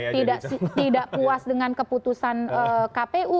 tidak puas dengan keputusan kpu